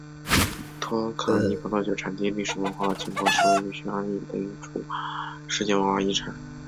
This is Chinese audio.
托卡伊葡萄酒产地历史文化景观是位于匈牙利的一处世界文化遗产。